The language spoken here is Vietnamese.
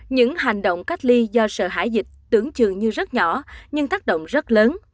những hành động cách ly do sợ hãi dịch tưởng chừng như rất nhỏ nhưng tác động rất lớn